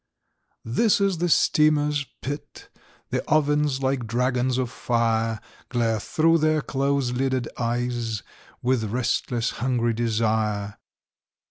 "This is the steamer's pit. The ovens like dragons of fire Glare thro' their close lidded eyes With restless hungry desire.